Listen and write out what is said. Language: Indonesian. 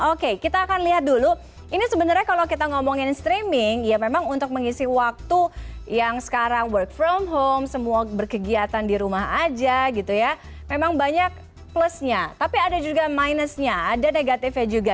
oke kita akan lihat dulu ini sebenarnya kalau kita ngomongin streaming ya memang untuk mengisi waktu yang sekarang work from home semua berkegiatan di rumah aja gitu ya memang banyak plusnya tapi ada juga minusnya ada negatifnya juga